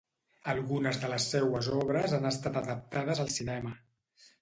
Algunes de les seues obres han estat adaptades al cinema.